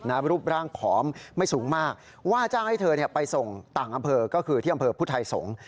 รูปร่างผอมไม่สูงมากว่าจ้างให้เธอไปส่งต่างอำเภอก็คือที่อำเภอพุทธไทยสงศ์